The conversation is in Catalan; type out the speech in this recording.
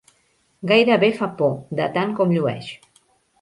Gairebé fa por, de tant com llueix.